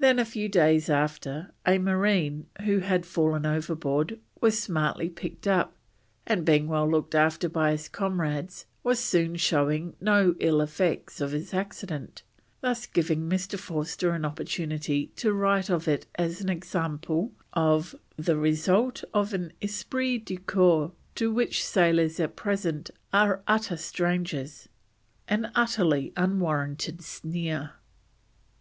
Then a few days after a marine, who had fallen overboard, was smartly picked up, and being well looked after by his comrades, was soon showing no ill effects of his accident, thus giving Mr. Forster an opportunity to write of it as an example of "the result of an esprit du corps to which sailors, at present, are utter strangers." An utterly unwarranted sneer.